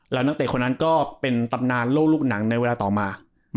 แล้วนักเตะคนนั้นก็เป็นตำนานโลกลูกหนังในเวลาต่อมา